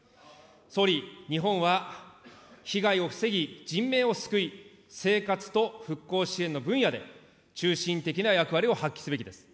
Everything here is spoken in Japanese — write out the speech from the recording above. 総理、日本は被害を防ぎ、人命を救い、生活と復興支援の分野で、中心的な役割を発揮すべきです。